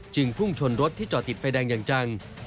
พุ่งชนรถที่จอดติดไฟแดงอย่างจัง